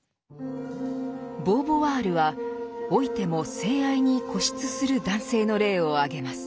ボーヴォワールは老いても性愛に固執する男性の例を挙げます。